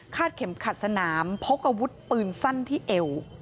เข็มขัดสนามพกอาวุธปืนสั้นที่เอว